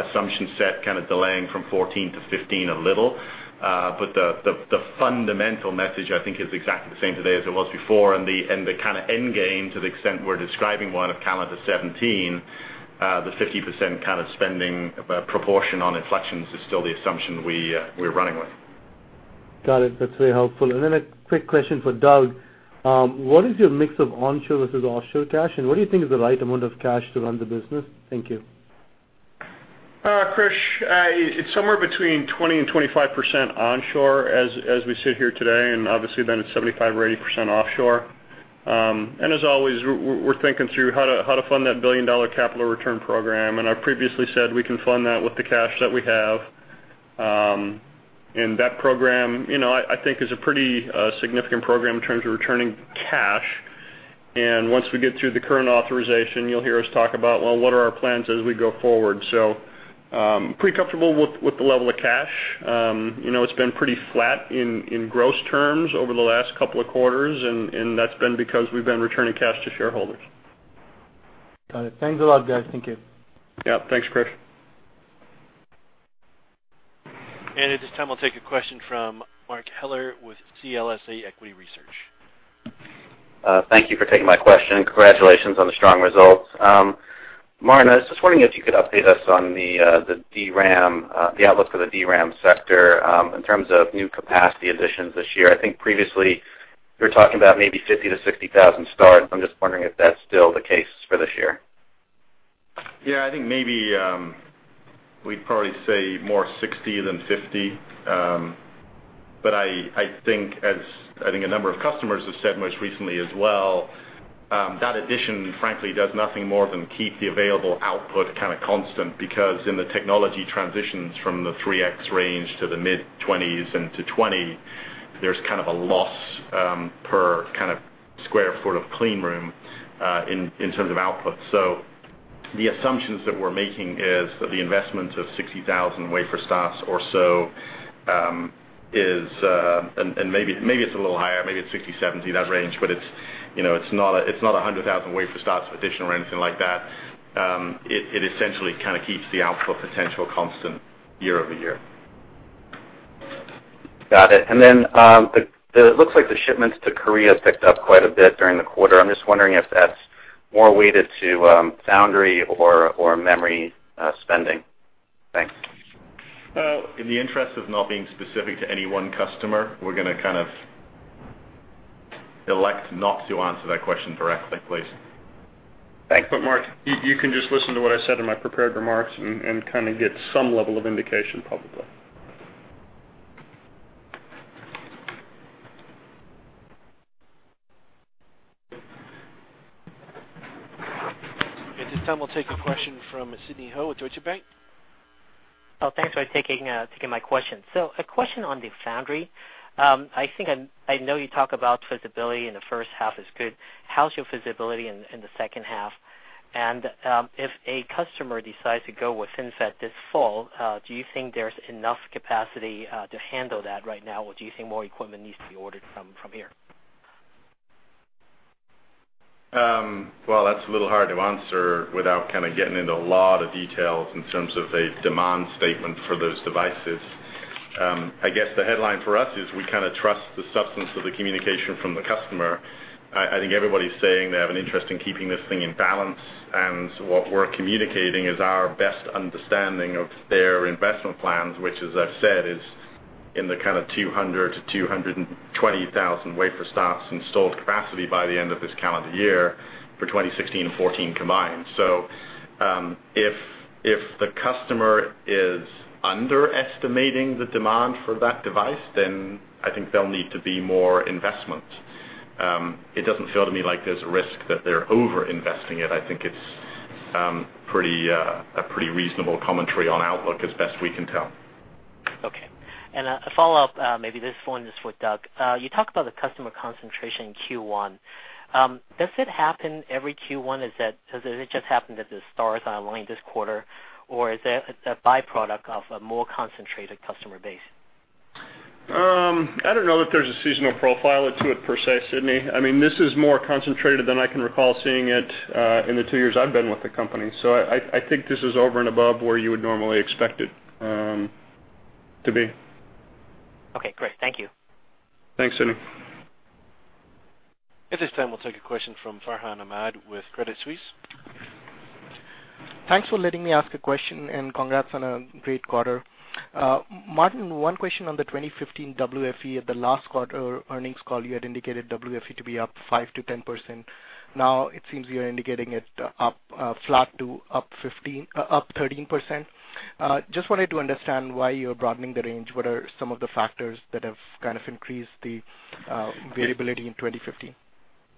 assumption set kind of delaying from 2014 to 2015 a little. The fundamental message I think is exactly the same today as it was before, and the kind of end game to the extent we're describing one of calendar 2017, the 50% kind of spending proportion on inflections is still the assumption we're running with. Got it. That's very helpful. A quick question for Doug. What is your mix of onshore versus offshore cash, and what do you think is the right amount of cash to run the business? Thank you. Krish, it's somewhere between 20% and 25% onshore as we sit here today, and obviously then it's 75% or 80% offshore. As always, we're thinking through how to fund that billion-dollar capital return program. I previously said we can fund that with the cash that we have. That program, I think is a pretty significant program in terms of returning cash. Once we get through the current authorization, you'll hear us talk about, well, what are our plans as we go forward. Pretty comfortable with the level of cash. It's been pretty flat in gross terms over the last couple of quarters, and that's been because we've been returning cash to shareholders. Got it. Thanks a lot, guys. Thank you. Thanks, Krish. At this time, we'll take a question from Mark Heller with CLSA Equity Research. Thank you for taking my question. Congratulations on the strong results. Martin Anstice, I was just wondering if you could update us on the outlook for the DRAM sector, in terms of new capacity additions this year. I think previously you were talking about maybe 50,000 to 60,000 starts. I'm just wondering if that's still the case for this year. I think maybe we'd probably say more 60 than 50. I think a number of customers have said most recently as well, that addition, frankly does nothing more than keep the available output kind of constant, because in the technology transitions from the 3x range to the mid-20s and to 20, there's kind of a loss per square foot of clean room, in terms of output. The assumptions that we're making is that the investments of 60,000 wafer starts or so, and maybe it's a little higher, maybe it's 60-70, that range, but it's not 100,000 wafer starts addition or anything like that. It essentially kind of keeps the output potential constant year-over-year. Got it. It looks like the shipments to Korea picked up quite a bit during the quarter. I'm just wondering if that's more weighted to foundry or memory spending. Thanks. In the interest of not being specific to any one customer, we're going to kind of elect not to answer that question directly, please. Thanks. Mark, you can just listen to what I said in my prepared remarks and kind of get some level of indication, probably. At this time, we'll take a question from Sidney Ho with Deutsche Bank. Oh, thanks for taking my question. A question on the foundry. I know you talk about visibility in the first half is good. How is your visibility in the second half? If a customer decides to go with chipset this fall, do you think there is enough capacity to handle that right now, or do you think more equipment needs to be ordered from here? Well, that is a little hard to answer without kind of getting into a lot of details in terms of a demand statement for those devices. I guess the headline for us is we kind of trust the substance of the communication from the customer. I think everybody is saying they have an interest in keeping this thing in balance, and what we are communicating is our best understanding of their investment plans, which as I have said, is in the kind of 200,000 to 220,000 wafer starts installed capacity by the end of this calendar year for 2016 and 2014 combined. If the customer is underestimating the demand for that device, then I think there will need to be more investment. It doesn't feel to me like there is a risk that they are over-investing it. I think it is a pretty reasonable commentary on outlook as best we can tell. Okay. A follow-up, maybe this one is for Doug. You talked about the customer concentration in Q1. Does it happen every Q1? Has it just happened that the stars are aligned this quarter, or is it a byproduct of a more concentrated customer base? I don't know that there is a seasonal profile to it per se, Sidney. This is more concentrated than I can recall seeing it, in the two years I have been with the company. I think this is over and above where you would normally expect it to be. Okay, great. Thank you. Thanks, Sidney. At this time, we'll take a question from Farhan Ahmad with Credit Suisse. Thanks for letting me ask a question. Congrats on a great quarter. Martin, one question on the 2015 WFE. At the last quarter earnings call, you had indicated WFE to be up 5%-10%. Now it seems you're indicating it up flat to up 13%. Just wanted to understand why you're broadening the range. What are some of the factors that have kind of increased the variability in 2015?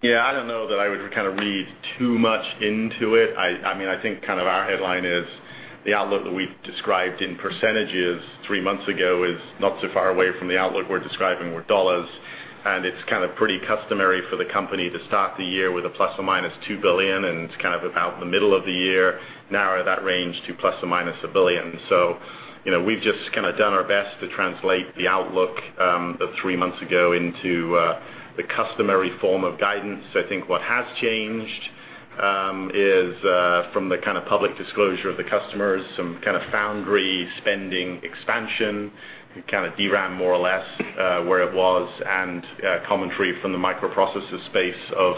Yeah, I don't know that I would kind of read too much into it. I think kind of our headline is the outlook that we described in percentages three months ago is not so far away from the outlook we're describing with dollars, and it's kind of pretty customary for the company to start the year with a ±$2 billion, and kind of about the middle of the year, narrow that range to ±$1 billion. We've just kind of done our best to translate the outlook of three months ago into the customary form of guidance. I think what has changed is, from the kind of public disclosure of the customers, some kind of foundry spending expansion, kind of DRAM more or less, where it was, and commentary from the microprocessor space of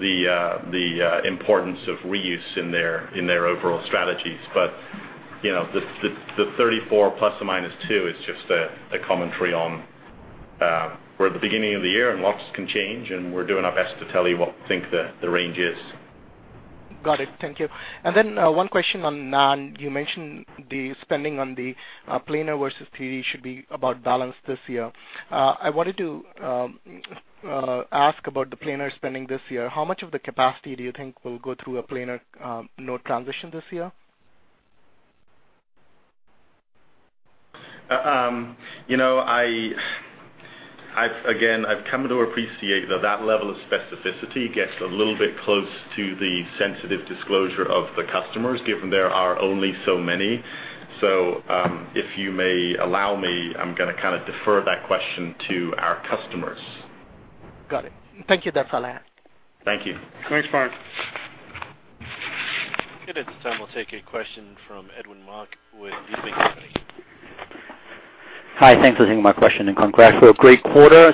the importance of reuse in their overall strategies. The $34 billion ±$2 billion is just a commentary on we're at the beginning of the year, and lots can change, and we're doing our best to tell you what we think the range is. Got it. Thank you. One question on NAND. You mentioned the spending on the planar versus 3D should be about balanced this year. I wanted to ask about the planar spending this year. How much of the capacity do you think will go through a planar node transition this year? Again, I've come to appreciate that that level of specificity gets a little bit close to the sensitive disclosure of the customers, given there are only so many. If you may allow me, I'm going to kind of defer that question to our customers. Got it. Thank you. That's all I have. Thank you. Okay. At this time, we'll take a question from Edwin Mok with Needham & Company. Hi, thanks for taking my question, congrats for a great quarter.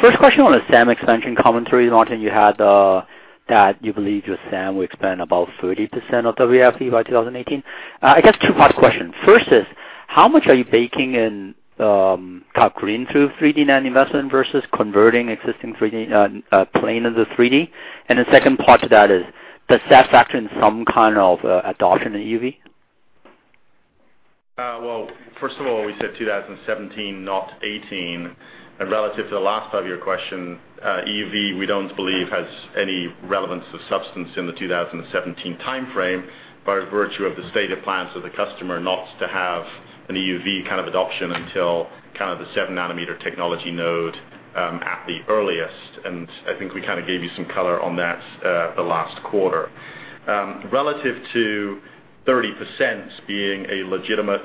First question on the SAM expansion commentary, Martin, you had that you believe your SAM will expand about 30% of WFE by 2018. I guess two-part question. First is, how much are you baking in top green through 3D NAND investment versus converting existing planar to 3D? The second part to that is, does that factor in some kind of adoption in EUV? First of all, we said 2017, not 2018. Relative to the last part of your question, EUV, we don't believe has any relevance to substance in the 2017 timeframe, by virtue of the stated plans of the customer not to have an EUV kind of adoption until kind of the 7 nanometer technology node at the earliest. I think we kind of gave you some color on that the last quarter. Relative to 30% being a legitimate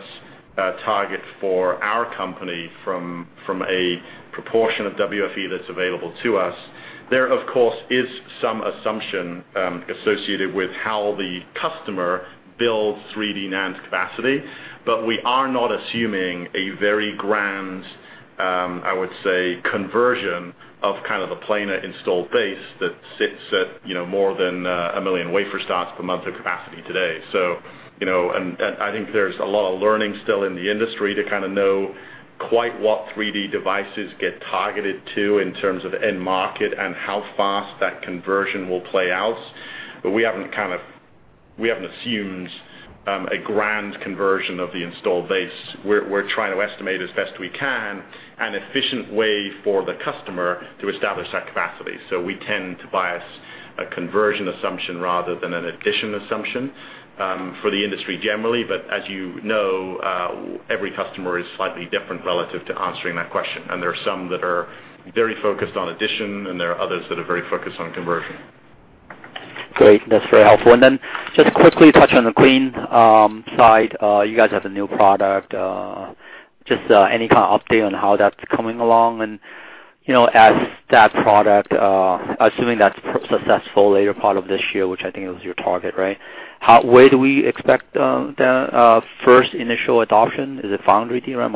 target for our company from a proportion of WFE that's available to us, there of course is some assumption associated with how the customer builds 3D NAND capacity. We are not assuming a very grand, I would say, conversion of kind of the planar installed base that sits at more than 1 million wafer starts per month of capacity today. I think there's a lot of learning still in the industry to kind of know quite what 3D devices get targeted to in terms of end market and how fast that conversion will play out. We haven't assumed a grand conversion of the installed base. We're trying to estimate as best we can an efficient way for the customer to establish that capacity. We tend to bias a conversion assumption rather than an addition assumption for the industry generally. As you know, every customer is slightly different relative to answering that question, and there are some that are very focused on addition, and there are others that are very focused on conversion. Great. That's very helpful. Just quickly touch on the clean side. You guys have a new product. Just any kind of update on how that's coming along and as that product, assuming that's successful later part of this year, which I think it was your target, right? Where do we expect the first initial adoption? Is it foundry DRAM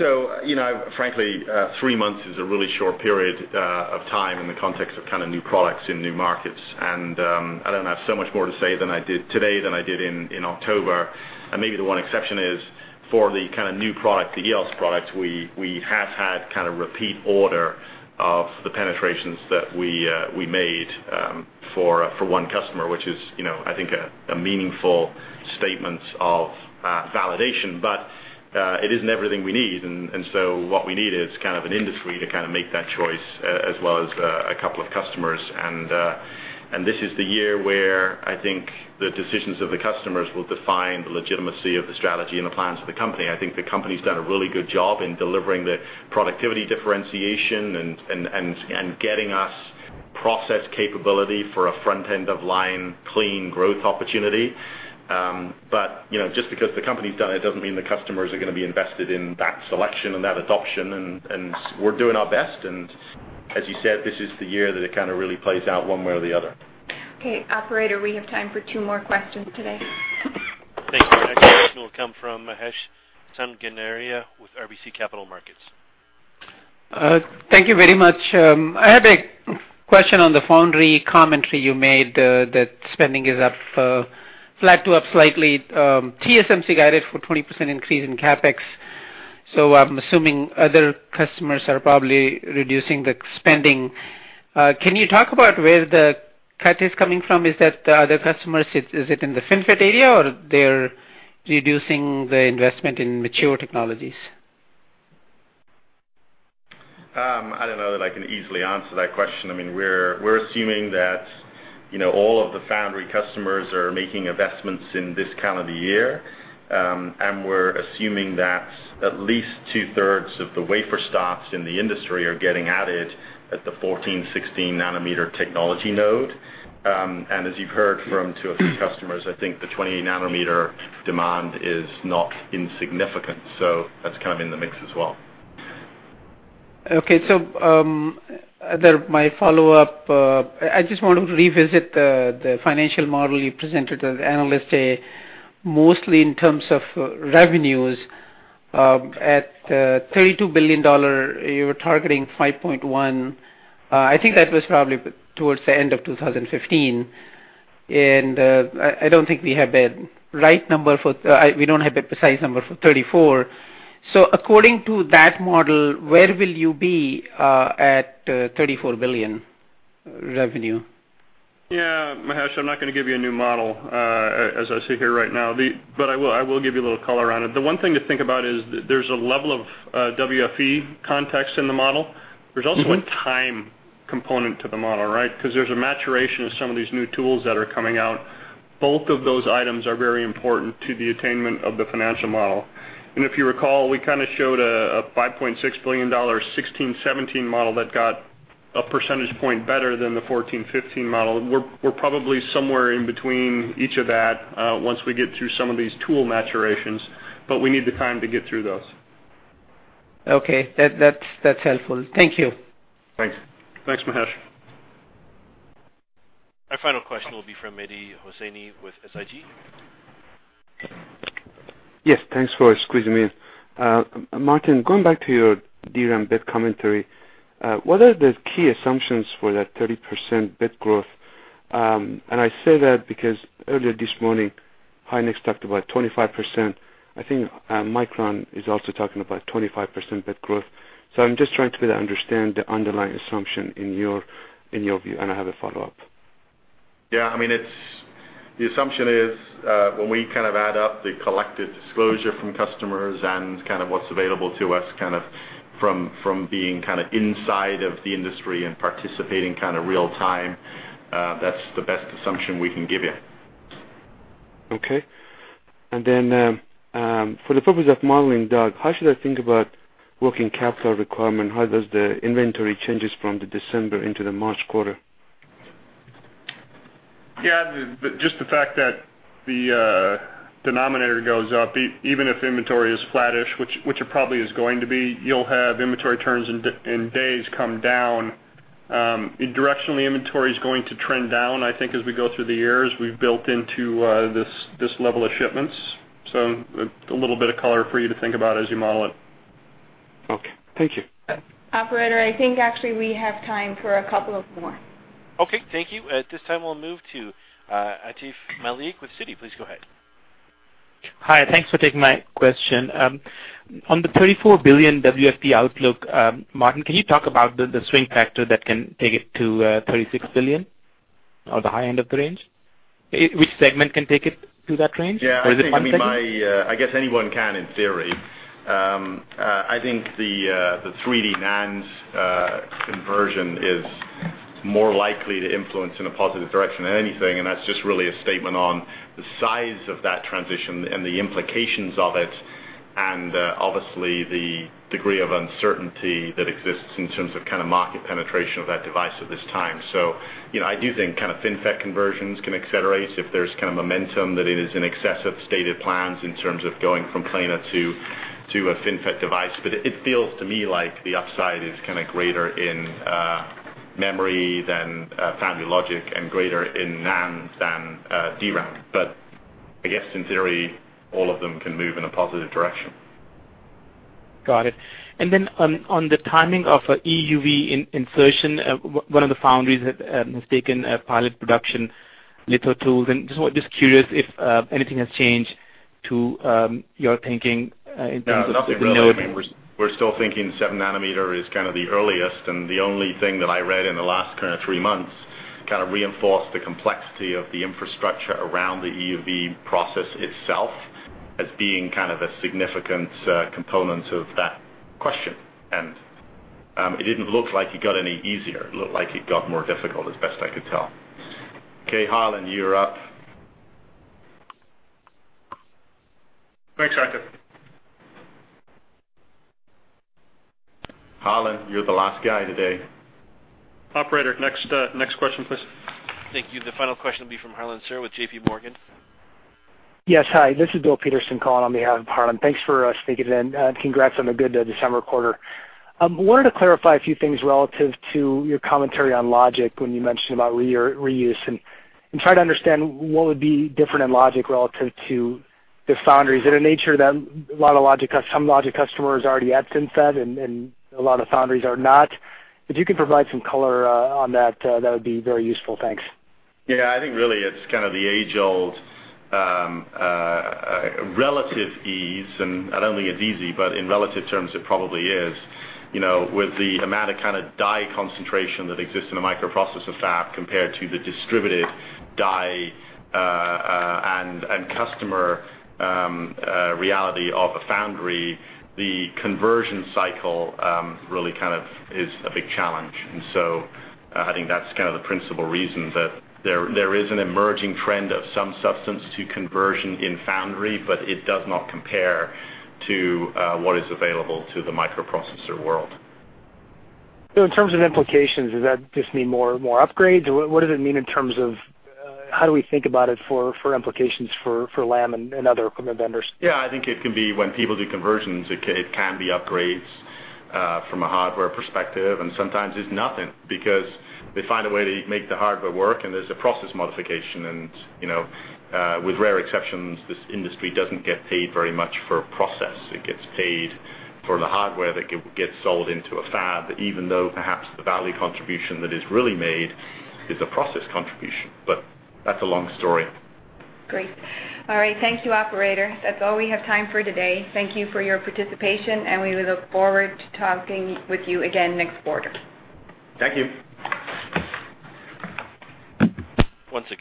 or NAND? Frankly, 3 months is a really short period of time in the context of kind of new products in new markets, I don't have so much more to say today than I did in October. Maybe the one exception is for the kind of new product, the ALE product, we have had kind of repeat order of the penetrations that we made for one customer, which is I think a meaningful statement of validation. It isn't everything we need, what we need is kind of an industry to kind of make that choice as well as a couple of customers. This is the year where I think the decisions of the customers will define the legitimacy of the strategy and the plans of the company. I think the company's done a really good job in delivering the productivity differentiation and getting us process capability for a front end of line clean growth opportunity. Just because the company's done it doesn't mean the customers are going to be invested in that selection and that adoption, and we're doing our best. As you said, this is the year that it kind of really plays out one way or the other. Okay, operator, we have time for two more questions today. Thank you. Our next question will come from Mahesh Sanganeria with RBC Capital Markets. Thank you very much. I had a question on the foundry commentary you made that spending is up, flat to up slightly. TSMC guided for 20% increase in CapEx. I'm assuming other customers are probably reducing the spending. Can you talk about where the cut is coming from? Is that the other customers, is it in the FinFET area, or they're reducing the investment in mature technologies? I don't know that I can easily answer that question. I mean, we're assuming that all of the foundry customers are making investments in this calendar year. We're assuming that at least two-thirds of the wafer starts in the industry are getting added at the 14, 16 nanometer technology node. As you've heard from two or three customers, I think the 28 nanometer demand is not insignificant, that's kind of in the mix as well. Okay, my follow-up, I just want to revisit the financial model you presented at Analyst Day. Mostly in terms of revenues at $32 billion, you were targeting 5.1. I think that was probably towards the end of 2015. I don't think we have the precise number for $34 billion. According to that model, where will you be at $34 billion revenue? Yeah, Mahesh, I'm not going to give you a new model as I sit here right now. I will give you a little color on it. The one thing to think about is there's a level of WFE context in the model. There's also a time component to the model, right? Because there's a maturation of some of these new tools that are coming out. Both of those items are very important to the attainment of the financial model. If you recall, we kind of showed a $5.6 billion 2016, 2017 model that got a percentage point better than the 2014, 2015 model. We're probably somewhere in between each of that once we get through some of these tool maturations, but we need the time to get through those. Okay. That's helpful. Thank you. Thanks. Thanks, Mahesh. Our final question will be from Mehdi Hosseini with SIG. Yes, thanks for squeezing me in. Martin, going back to your DRAM bit commentary, what are the key assumptions for that 30% bit growth? I say that because earlier this morning, Hynix talked about 25%. I think Micron is also talking about 25% bit growth. I'm just trying to better understand the underlying assumption in your view, and I have a follow-up. The assumption is when we add up the collective disclosure from customers and what's available to us from being inside of the industry and participating real-time, that's the best assumption we can give you. Okay. For the purpose of modeling, Doug, how should I think about working capital requirement? How does the inventory changes from the December into the March quarter? Yeah, just the fact that the denominator goes up, even if inventory is flattish, which it probably is going to be, you'll have inventory turns and days come down. Directionally, inventory's going to trend down, I think, as we go through the years. We've built into this level of shipments. A little bit of color for you to think about as you model it. Okay. Thank you. Operator, I think actually we have time for a couple of more. Okay. Thank you. At this time, we'll move to Atif Malik with Citi. Please go ahead. Hi, thanks for taking my question. On the $34 billion WFE outlook, Martin, can you talk about the swing factor that can take it to $36 billion or the high end of the range? Which segment can take it to that range? Yeah. Is it one segment? I guess anyone can, in theory. I think the 3D NAND's conversion is more likely to influence in a positive direction than anything, and that's just really a statement on the size of that transition and the implications of it, and obviously, the degree of uncertainty that exists in terms of market penetration of that device at this time. I do think FinFET conversions can accelerate if there's momentum that it is in excess of stated plans in terms of going from planar to a FinFET device. It feels to me like the upside is greater in memory than foundry logic, and greater in NAND than DRAM. I guess, in theory, all of them can move in a positive direction. Got it. Then on the timing of EUV insertion, one of the foundries has taken pilot production litho tools, and just curious if anything has changed to your thinking in terms of the node- Yeah, nothing really. We're still thinking seven nanometer is the earliest, the only thing that I read in the last three months kind of reinforced the complexity of the infrastructure around the EUV process itself as being a significant component of that question. It didn't look like it got any easier. It looked like it got more difficult, as best I could tell. Okay, Harlan, you're up. Thanks, Atif. Harlan, you're the last guy today. Operator, next question, please. Thank you. The final question will be from Harlan Sur with JPMorgan. Hi, this is Bill Peterson calling on behalf of Harlan. Thanks for sneaking it in. Congrats on a good December quarter. Wanted to clarify a few things relative to your commentary on logic when you mentioned about reuse, and try to understand what would be different in logic relative to the foundries. Is it a nature that some logic customers already have FinFET and a lot of foundries are not? If you could provide some color on that would be very useful. Thanks. I think really it's kind of the age-old relative ease and not only it's easy, but in relative terms, it probably is. With the amount of die concentration that exists in a microprocessor fab compared to the distributed die and customer reality of a foundry, the conversion cycle really kind of is a big challenge. I think that's kind of the principal reason that there is an emerging trend of some substance to conversion in foundry, but it does not compare to what is available to the microprocessor world. In terms of implications, does that just mean more upgrades? What does it mean in terms of how do we think about it for implications for Lam and other equipment vendors? Yeah, I think it can be when people do conversions, it can be upgrades from a hardware perspective, and sometimes it's nothing because they find a way to make the hardware work, and there's a process modification. With rare exceptions, this industry doesn't get paid very much for process. It gets paid for the hardware that gets sold into a fab, even though perhaps the value contribution that is really made is a process contribution. That's a long story. Great. All right. Thank you, operator. That's all we have time for today. Thank you for your participation, and we look forward to talking with you again next quarter. Thank you. Once again-